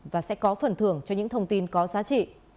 và sẽ có phần thưởng cho những thông tin có giá trị